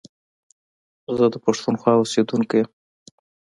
زه د پښتونخوا اوسېدونکی يم